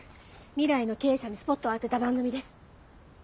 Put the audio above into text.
未来の経営者にスポットを当てた番組です。